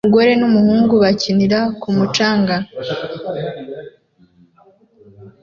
Umugore n'umuhungu bakinira ku mucanga